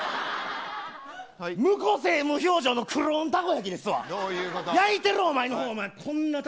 無個性、無表情のクローンたこ焼きですわ。